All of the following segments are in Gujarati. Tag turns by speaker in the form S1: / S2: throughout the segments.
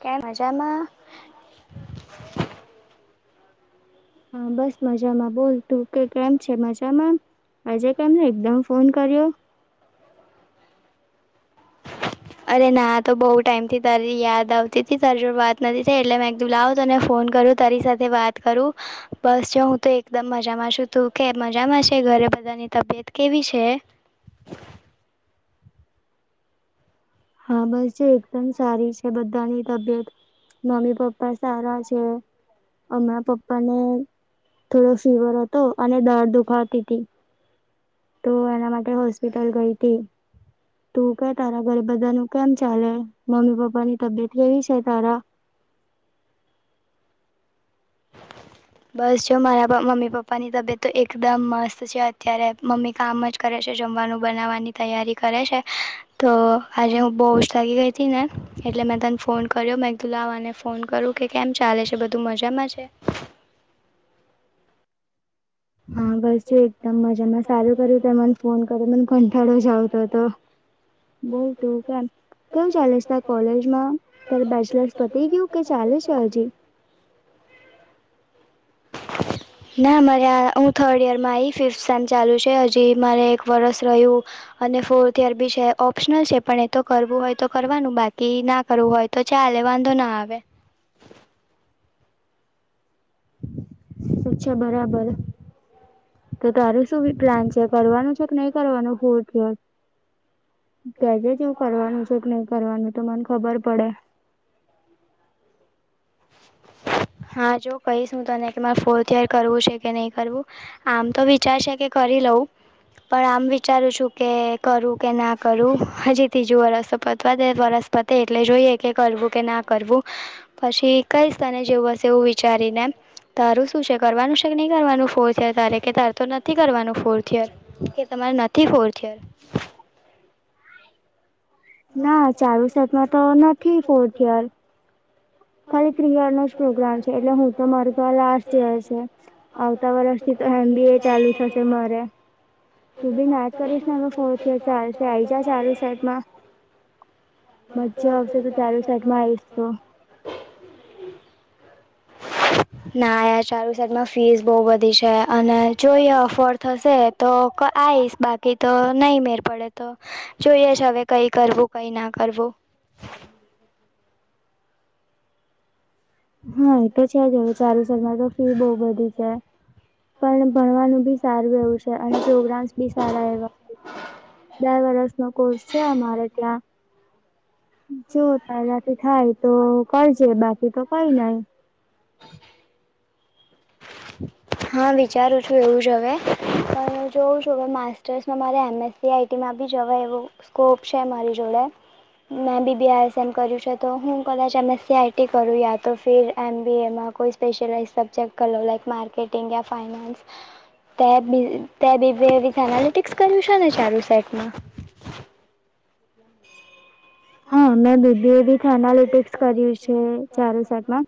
S1: કેય, મજામા
S2: હા, બસ મજામા બોલ તુ કે કેમ છે, મજામા આજે કેમ એકદમ, ફોન કર્યો
S1: [unintelligible] અરે ના તો બહુ ટાઈમ થી તારી યાદ આવતી હતી, તારી જોડે વાત નથી થઈ, એટલે મે કીધુ લાવો તને ફોન કરુ, તારી સાથે વાત કરુ બસ જો હુ તો એકદમ મજામાં છુ, તું કે મજામાં છે, ઘરે બધા બધાની તબિયત કેવી છે?
S2: હા, બસ જો એકદમ સારી છે. બધાની તબિયત મમ્મી પપ્પા સારા છે. હમણાં પપ્પા ને થોડો ફીવર હતો, અને દાડ દુખાતી હતી. તો એના માટે હોસ્પિટલ ગઈ હતી, તું કે તારા ઘરે બધા કેમ ચાલે મમ્મી પપ્પા ની તબિયત કેવી છે, તારા
S1: [inaudible] બસ જો મારા, મમ્મી પપ્પા ની તબિયત તો એકદમ મસ્ત છે, અત્યારે મમ્મી કામ જ કરે છે. છે, જમવાનું બનાવવાની તૈયારી કરે છે, તો આજે હું બહુ જ થાકી ગઈ હતી, ને એટલે મેં તને ફોન કર્યો મે કીધુ લાવ આને ફોન કરું કે કેમ ચાલે છે, બધું મજામાં છે. છે
S2: હા, બસ છે. એકદમ મજામાં સારું કર્યુ ત મને ફોન કર્યો, મને કટાળો જ આવતો હતો. બોલ, તુ કેમ
S1: [unintelligible] [inaudible] ના મારે આ હું થર્ડ યરમાં આવી ફિફ્થ સેમ ચાલુ છે હજી મારે એક વરસ રહ્યું અને ફોર્થ ઈયર બી છે ઓપ્શનલ છે પણ એ તો કરવું હોય તો કરવાનું બાકી ના કરવું હોય તો ચાલ લે વાંધો ના આવે
S2: અચ્છા બરાબર તો તારૂ શું પ્લાન છે કરવાનું છે કે નહી કરવાનું ફોર્થ ઈયર કે જે જેવું કરવાનું છે કે નહી કરવાનું તો મને ખબર પડે
S1: હા [inaudible] હા જો કહીશ હું તને કે મારે ફોર્થ ઈયર કરવું છે કે નહી કરવું આમ તો વિચાર છે કે કરી હલો પણ આમ વિચારું છું કે કરું કે ના કરું હજી ત્રીજું વરસ તો પતવા દે પતે એટલે જોઈએ કે કરવું કે ના કરવું પછી કઈ સ્થાને જેવું હશે એવું વિચારીને તારું શું છે કરવાનું છે કે નહી કરવાનું ફોર્થ ઈયર તારે કે તારું તો નથી કરવાનું ફોર્થ ઈયર કે તમારે નથી ફોર્થ ઈયર
S2: ના ચારુ સાતમાં તો નથી ફોર્થયાર
S1: હ [inaudible]
S2: ખાલી થ્રી ઈયરનો જ પ્રોગ્રામ છે એટલે હું તો માર તો આ લાસ્ટ ઈયર છે આવતા વર્ષથી ઠંડી એ ચાલુ થશે મારે તું બી નાચ કરીશને એ ફોર્થ ઈયર ચાલશે આ આવી જા ચાલુ સેટમાં મજા આવશે તો ચાલુ સેટમાં આવીશ તો
S1: ના યાર ચાર સેટમાં ફીસ બહુ બધી છે અને જોઈ ઓફોર થશે તો આ આઇસ બાકી તો નહીં મેર પડે તો જોઈએ જ હવે કંઈ કરવું કંઈ ના કરવું
S2: હા એ તો છે જ હવે ચાલુ સેટમાં તો ફી બઉ બધી છે પણ ભણવાનું બી સારું એવું છે અને પ્રોગ્રામ્સ બી સારા એવા બે વર્ષ નો કોર્સ છે અમારે ત્યાં જેઓ તલત થાય તો કરજે બાકી તો કઈ નઈ
S1: [inaudible] હા વિચારું છું એવું જ હવે પણ જોઉં છું કે માસ્ટર્સમાં મારે એમએસસી આઈટીમાં બી જવાય એવો સ્કોપ છે મારી જોડે મેં બીબીઆઈએસએમ કર્યું છે તો હું કદાચ એમએસસીઆઈટી કરું યા તો ફિર એમબીએમાં કોઈ સ્પેશિયલાઇઝ સબ્જેક્ટ કર લોઉ લાઈક માર્કેેટિંગ યા ફાઇનાન્સ તે બી તે બીબીએમા વિથ એનાલિટિક્સ કર્યું છે ને ચાલુ સેટમાં
S2: [inaudible] હા મેં બીબીએ વિથ એનાલિટિક્સ કર્યું છે ચાલુ સેટમાં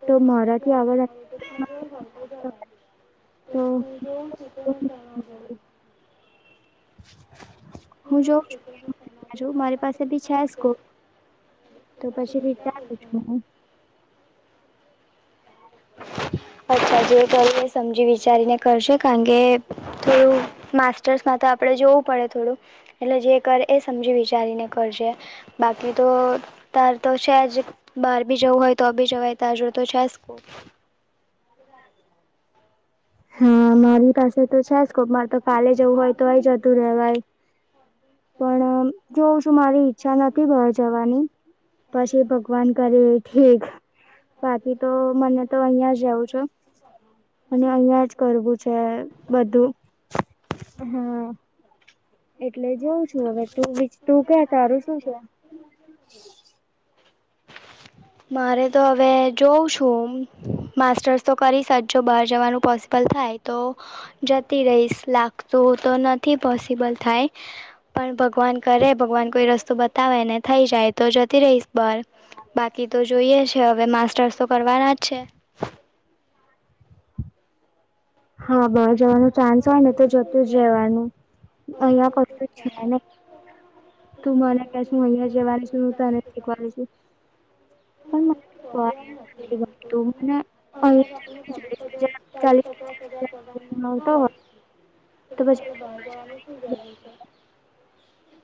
S1: તો મારાથી આવેજના તો [unintelligible] હરબો જવાગ તો બી હું જોઉ છુ તમાર જોડ હું જોઉ છુ કે તમારી મારી પાસે બી છે જ કોર્ષ
S2: તો પછીી ચ આવ છું હું
S1: [inaudible] [inaudible] અચ્છા જે ત સમજી વિચારીને કરશે કારણ કે થોડું સસ્ટર્સમાં તો આપણે જોવું પડે થોડું એટલે જે કરે એ સમજી વિચારીને કરજે બાકી તો તો તાર તો છે જ બહાર બી જવું હોય તો બી જવાય તાર જોડે તો છે સ્કોપ
S2: હા મારી પાસે તો છે કોપ મારે તો કાલે જવું હોય તોય જ હતુ રેવાય પણ જોઉં શું મારી ઈચ્છા નથી ઘર જવાની પછી ભગવાન કરે ઠીક બાકી તો મને તો અહિયાં જવું છું, ‌ અને અહિયાં કરવું છે, બધું હમ એટલે જોઉં છું, હવે તો તું કે તારું શું છે?
S1: [inaudible] મારે તો હવે જોઉં છું માસ્ટર્સ તો કરી શકજો બહાર જવાનું પોસ બલ થાય તો જતી રહીશ લાગતું તો નથી પોસિબલ થાય પણ ભગવાન કરે ભગવાન કોઈ રસ્તો બતાવે ને થઈ જાય તો જતી રહીશ. બ બાકી તો જોઈએ છે, હવે માસ્ટર્સ તો કરવાના જ છે.
S2: હા બહાર જવાનો ચાન્સ હોય ને તો જતું જ રહેવાનું.
S1: [unintelligible] પલા ખધું છે મને દેવાની
S2: કર છે.
S1: [unintelligible] નથી બું મ અ આપને ચાસ હજ ચાલીસ ટકા કદાચ જવાનું ક હોય કે પછી આપણે ઘણ જવાનું શું જવું છે.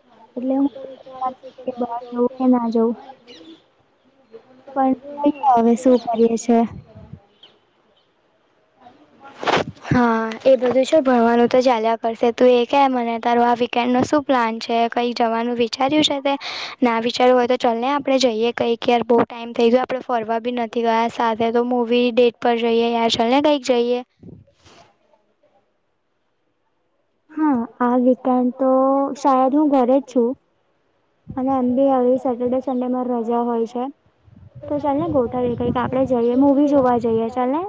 S1: હા એ હું તો વિચારીશું કે બહાર જઉં કે ના જઉં.
S2: પણ ક હવે શું કરીએ છે?
S1: હ. હા એ બધું શ ભણવાનું તો ચાલ્યા કરશે તું એ કે મને તારું આ વીકેન્ડ નો શું પ્લાન છે? કઈક જવાનું વિચાર્યું છે તે ના વિચાર્યું હોય તો ચલે ને આપણે જઈએ કઈક યાર બઉુ ટાઈમ થઈ ગયો આપડ ફરવા બી નથી ગયા સાથે તો મૂવી ડેટ પર જઈએ યાર ચલ ને કઈક જઈએ [inaudible]
S2: હા આ વીકેન્ડ તો શાયદ હું ઘરે જ છું. અને એમ બી હવે સેટરડે સન્ડે મા રજા હોય છે. તો ચાલ ને ગોઠવીએ કઈક આપણેે જઈએ મુવી જોવા જઈએ ચાલને.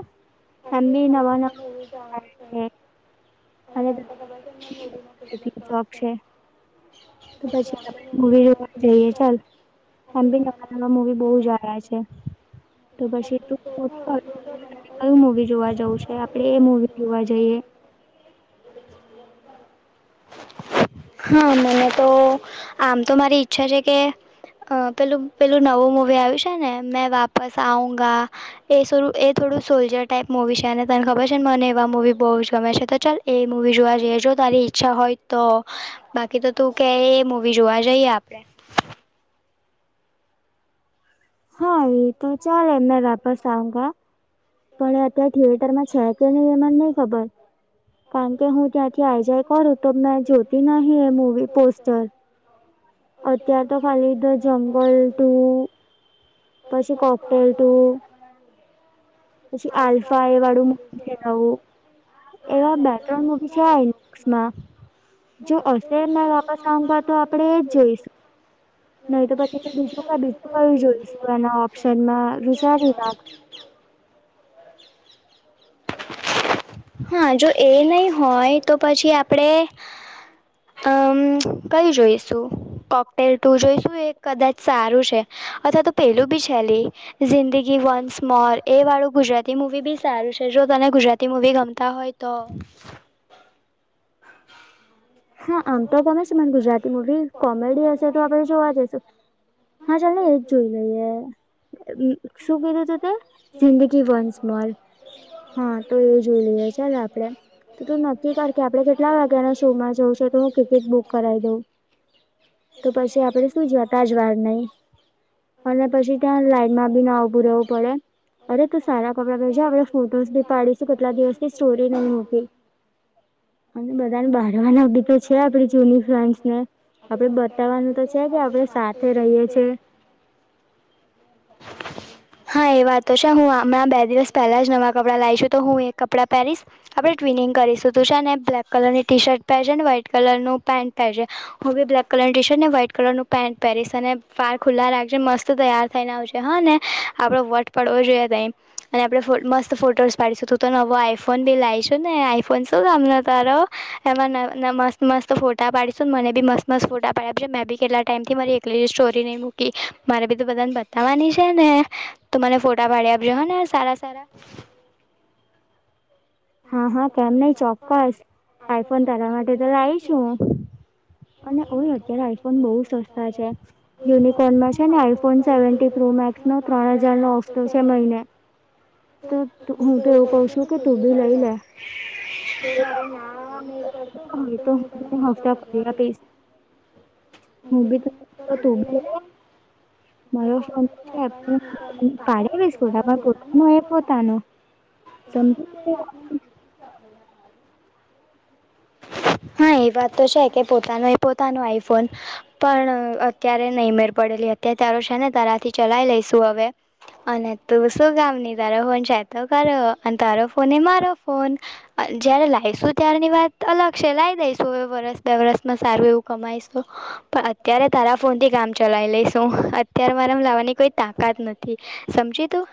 S1: એમ બી નવા નવા મુવી જાણ છે. હવે તને તો ખબર મને મુવી નો કેટલો શોખ.
S2: તો પછી આપ મવી જોવા જઈએ ચાલ. એમ ભી નવા નવા મવી બહુ જાયા છે. તો પછી તું કયું મવી જોવા જવું છે આપડે એ મુવી જોવા જઈએ?
S1: [inaudible] [inaudible] હા મને તો આમ તો મારી ઈચ્છા છે કે અ પેલું પેલું નવું મુવી આવ્યું છે ને મેં વાપસ આવઉંગા એ થોડું એ થોડું થોડું સોલ્જર ટાઈપ મુવી છે, અને તને ખબર છે ને મને એવા મવી બહુ જ ગમે છે, તો ચાલ એ મુવી જોવા જઈએ જો તા રી ઈચ્છા હોય તો બાકી તો તું કે એ મુવી જોવા જઈએ આપડે
S2: હા એ તો ચાલે મેં વાપસ આઉંગા પણ એ અત્યારે થિયેટરમાં છે કે નહી એમાંને નહી ખબર, કારણ કે હું ક્યાંથી આઈ જાય કો તો મેં જોતી નહ એ મૂવી પોસ્ટર અત્યાર તો ખાલી તો જંગલ ટુ, પછી કોકટેલ ટુ, પછી આલ્ફા એ વાળું મુ ખેલાવું એવા બે ત્રણ મુવી છે, આસમાં જો હશે મે વાપસ આઉંગા તો આપડે એજ જોઈશું.
S1: તે બીજી બીજી કોઈ છું એ કેના બુજા ઘરા [unintelligible] [inaudible] હા જો એ નહી હોય તો પછી આપણેે આમ કંઈ જોઈશું? કોકટેલ ટુ જોઈશું એ કદાચ સારું છે, અથવા તો પેલું બી છેલી જિંદગી વન્સ મોર એ વાળું ગુજરાતી મુવી બી સારું છે, જો તને ગુજરાતી મુવી ગમતા હોય તો.
S2: હા આમ તો ગમે છે, મને ગુજરાતી મૂવી કોમેડી હશે તો આપણે જોવા જઈશું. હા ચાલે એજ જોઈ લઈએ. શું કીધું તું તે જિંદગી વન્સ મોર હા તો એ જોઈ લેઈએ. ચાલ આપડે તો તું નક્કી કર આપડે કેટલા વાગ્યાના શોમાં જોવું તો હું ટિકિટ બુક કરાવી દઉં. તો પછી આપડે શું જતાજ વાર નહીં. અને પછી ત્યાં લાઈનમાં બી ના ઉભું રહેવું પડે. અરે તું સારા કપડાં પેરજ આપણે ફોટોસ ભી પાડીશું કેટલા દિવસ થી સ્ટોરી નહી મૂકી. અને બધાને બારવાના.
S1: યુનિફોમ છે, આપણે બતાવાનું તો કે છે આપણે સાથે રહીએ છે. [inaudible]
S2: [inaudible]
S1: હા એ વાત તો છે હું હમણાં બે દિવસ પહેલાં જ નવાં કપડાં લાઈ છું તો હું એક કપડાં પહેરીશ આપણે ટ્વિનિંગ કરીશું તું છે ને બ્લેક કલરની ટી શર્ટ પહેરીને છે, ને વ્હાઈટ કલરનું પેન્ટ પહેર જે છે હું બી બ્લેક કલરની ટી શર્ટ ને વ્હાઈટ કલર નું પેન્ટ પેરીસ અને વાળ ખુલ્લા રાખજે મત તૈયાર થઈને આવજ હા ને આપડો વટ પડવો જોઈએ, બેન આપણે મસ્ત ફોટોસ પાડીશું તું તો ન આઈફોન ભી લાઈશું ને આઈફોન શું કામનો તારો એમાં મસ્ત મસ્ત ફોટા પાડી. મને બી મત મસ્ત ફોટા પડ્યા છે મેં બી કેટલા ટાઈમથી મારી એકલી સ્ટોરી નહી મૂકી મારે બી તો બધાને બતાવાની છે, ને તો મને ફોટા પાડી આપજો હને સારા સારા
S2: હા હા કેમ નઈ ચોક્કસ આઈફોન તાર માટે તો લાઈ છું. અને ઓય અત્યારે આઈફોન બહુ સસ્તા છે, યુનિકોર્નમાં છે, ને આઈફોન સેવટીન પ્રો મેક્સ ત્રણ હજાર નો હફતો છે, મહિને તો હું તો એવું કઉ છું કે તું બી લઈલે.
S1: એ તારું ના મેળ પડતો હોય તો હું તને [unintelligible] કરી આપીશ. હ તોબી લઈ લેને.
S2: મારો ફોટા [unintelligible] પોતાનો એ પોતાનો [unintelligible]
S1: હા એ વાત તો છે કે પોતાનો એ પોતાનો આઈફોન પણ અત્યારે નહીં મેર પડે અત્યારે તારો છે ને તરાથી ચલાવી લઈશું હવે અને તું શું કામની તારો હોય છે. તો ખરો અને તારો ફોન એ મારો ફોન જયારે લાઈસ. શું ત્યારની વાત અલગ છે, લાઈ દઈશું હવે વરસ. બે વર્ષમાં સારું એવું કમાઈશું, પણ અત્યારે તારા ફોનથી કામ ચલાવી લઈશું અત્યારે લાવવાની કોઈ તાકાત નથી સમજી તું.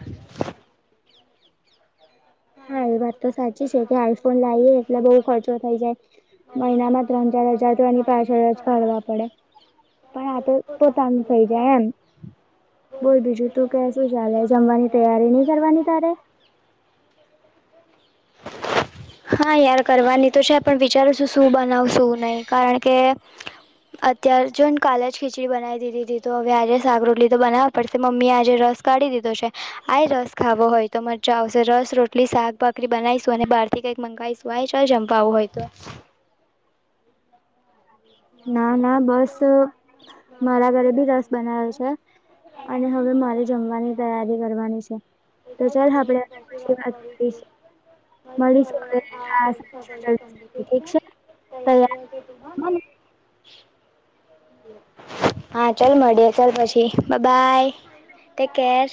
S2: હા એ વાત તો સાચી છે, કે આઈફોન લાઈએ એટલે બહું ખર્ચો થઈ જાય. મહિનામાં ત્રણ ચાર હજાર તો એની પાછળ જ કાડવા પડે. પણ આ તો પોતાનું થઈ જાય એમ. બોલ બીજું તું કે શું ચાલે જમવાની તૈયારી નહી કરવાની તારે.
S1: [inaudible] હા યાર કરવાની તો છે પણ વિચારું છું, શું બનાવું શું નહી કારણ કે અત્ય્યારે જો કાલે જ ખીચડી બનાવી દીધી હતી તો હવે આજે શાક રોટલી તો બનાવ પડશે મમ્મી આજે રસ કાઢી દીધો છે આય રસ ખાવો હોય તો મજા આવશે રસ રોટલી શાકભાકરી બનાવીશું અને બાર થી કઈક મંગાવીશું ચાલ જમવા આવું હોય તો. [inaudible]
S2: ના ના બસ મારા ઘરે બી રસ બનાયો છે અને હવે મારે જમવાની તૈયારી કરવાની છે
S1: [unintelligible]
S2: મળીશું હવે [unintelligible] ઠીક છે
S1: તૈયાર છે તુંમાંને હા ચાલ મળીએ ચાલ પછી બાય ટે કેર